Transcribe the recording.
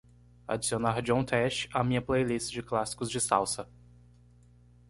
Adicionar John Tesh à minha playlist de clássicos de salsa